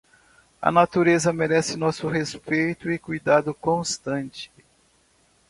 A natureza merece nosso respeito e cuidado constante.